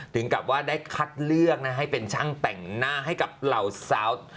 ถึงกับว่าได้คัดเลือกนะให้เป็นช่างแต่งหน้าให้กับเหล่าสาว